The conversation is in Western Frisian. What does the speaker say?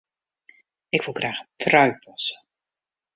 Ik wol graach in trui passe.